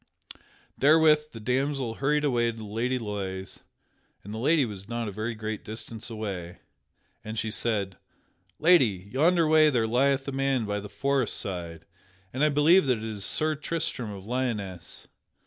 Therewith the damsel hurried away to the Lady Loise (and the lady was not a very great distance away) and she said: "Lady, yonder way there lieth a man by the forest side and I believe that it is Sir Tristram of Lyonesse.